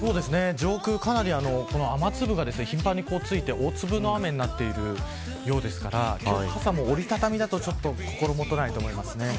上空、かなり雨粒が頻繁に付いて大粒の雨になっているようですから傘も折り畳みだと心許ないと思います。